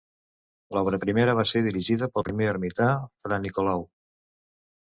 L'obra primera va ser dirigida pel primer ermità, fra Nicolau.